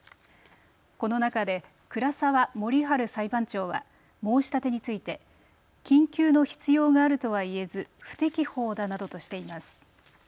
この中で倉澤守春裁判長は申し立てについて緊急の必要があるとはいえず不適法だなどとしています。